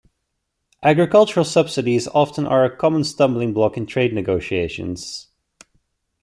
Agricultural subsidies often are a common stumbling block in trade negotiations.